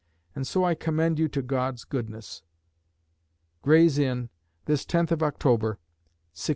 And so I commend you to God's goodness. "Gray's Inn, this 10th of October, 1609."